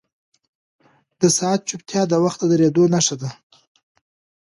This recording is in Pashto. د ساعت چوپتیا د وخت د درېدو نښه وه.